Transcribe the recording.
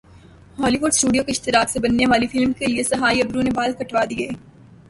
Holi would studio کے اشتراک سے بننے والی فلم کیلئے سہائی ابڑو نے بال کٹوادیے